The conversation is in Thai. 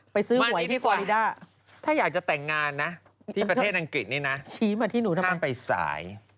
ไปซื้อหวยที่ฟอรีด้าถ้าอยากจะแต่งงานนะที่ประเทศอังกฤษนี่นะข้างไปสาย